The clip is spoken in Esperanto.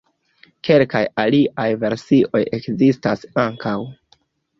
Kelkaj aliaj versioj ekzistas ankaŭ.